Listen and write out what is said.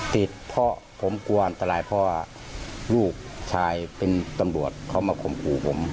ติดเพราะผมกลัวอันตรายเพราะว่าลูกชายเป็นตำรวจเขามาข่มขู่ผม